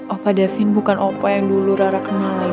opa davin bukan opa yang dulu rara kenal lagi